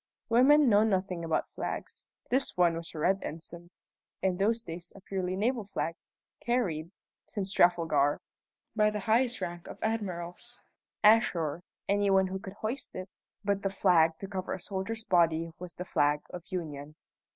Women know nothing about flags. This one was a red ensign, in those days a purely naval flag, carried (since Trafalgar) by the highest rank of admirals. Ashore, any one could hoist it, but the flag to cover a soldier's body was the flag of Union.